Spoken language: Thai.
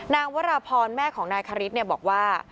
นางวรพรแม่ของนายคฤษเนี่ยบอกว่า